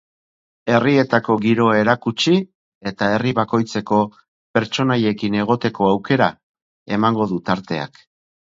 Herrietako giroa erakutsi eta herri bakoitzeko pertsonaiekin egoteko aukera emango du tarteak.